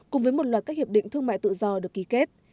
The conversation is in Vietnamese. cùng với một loạt các hiệp định thương mại tự do được ký kết